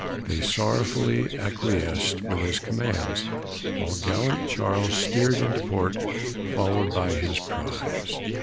They sorrowfully acquiesced with his commands, while gallant Charles steered into port, followed by his prize.